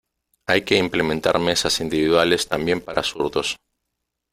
Hay que implementar mesas individuales también para zurdos.